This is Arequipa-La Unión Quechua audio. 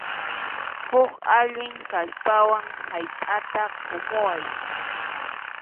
Huk allin kallpawan haytʼata qumuwan.